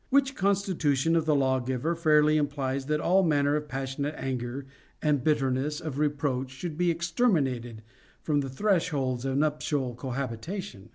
Which constitution of the lawgiver fairly implies that all manner of passionate anger and bitterness of re proach should be exterminated from the thresholds of nuptial cohabitation.